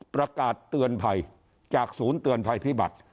ประกาศเตือนภัยจากศูนย์เตือนภัยพิบัติ